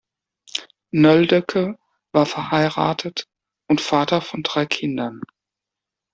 Nöldeke war verheiratet und Vater von drei Kindern.